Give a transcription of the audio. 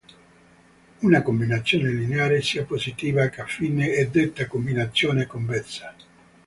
Una combinazione lineare sia positiva che affine è detta combinazione convessa.